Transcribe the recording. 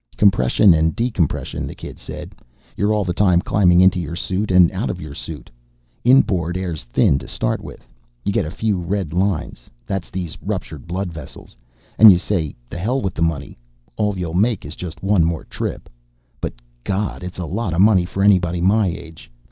"Compression and decompression," the kid said. "You're all the time climbing into your suit and out of your suit. Inboard air's thin to start with. You get a few redlines that's these ruptured blood vessels and you say the hell with the money; all you'll make is just one more trip. But, God, it's a lot of money for anybody my age!